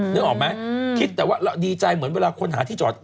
นึกออกไหมคิดแต่ว่าเราดีใจเหมือนเวลาคนหาที่จอด